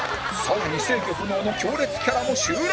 更に制御不能の強烈キャラも襲来